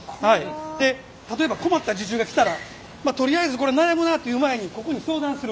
で例えば困った受注が来たらとりあえずこれ悩むなという前にここに相談する。